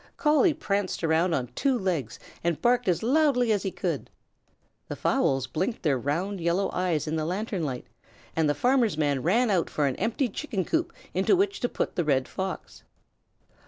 Collie pranced around on two legs and barked as loudly as he could. The fowls blinked their round yellow eyes in the lantern light, and the farmer's man ran out for an empty Chicken coop into which to put the Red Fox.